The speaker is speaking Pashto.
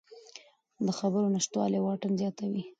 د خبرو نشتوالی واټن زیاتوي